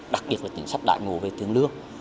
đặc biệt là chính sách đại ngộ về tiền lương